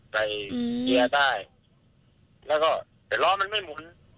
ใส่เกียร์ใต้แล้วก็แต่ล้อมันไม่หมุน